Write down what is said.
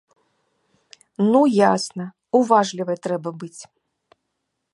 Ну ясна, уважлівай трэба быць.